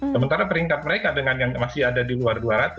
sementara peringkat mereka dengan yang masih ada di luar dua ratus